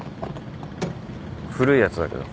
古いやつだけど。